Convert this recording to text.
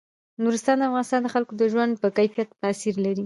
نورستان د افغانستان د خلکو د ژوند په کیفیت تاثیر لري.